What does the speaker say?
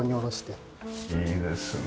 いいですね。